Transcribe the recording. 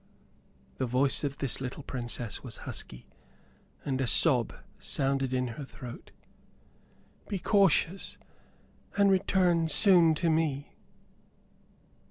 The voice of this little Princess was husky; and a sob sounded in her throat. "Be cautious, and return soon to me."